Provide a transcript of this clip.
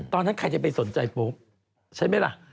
ตอนนั้นใครจะไปสนใจปุ๊บใช่ไหมล่ะ